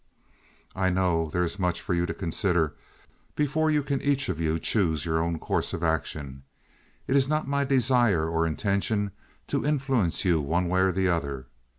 "I know there is much for you to consider, before you can each of you choose your course of action. It is not my desire or intention to influence you one way or the other.